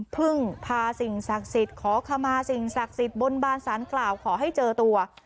พึ่งพาสิ่งศักดิ์สิทธิ์ขอขมาสิ่งศักดิ์สิทธิ์บนบานสารกล่าวขอให้เจอตัว